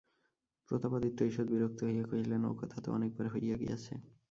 প্রতাপাদিত্য ঈষৎ বিরক্ত হইয়া কহিলেন, ও-কথা তো অনেকবার হইয়া গিয়াছে।